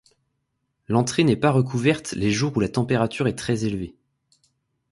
L'entrée n'est pas recouverte les jours où la température est très élevée.